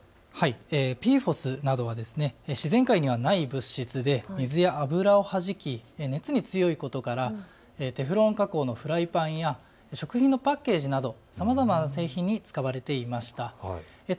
ＰＦＯＳなどは自然界にはない物質で水や油をはじき熱に強いことからテフロン加工のフライパンや食品のパッケージなどさまざまな製品に使われていました。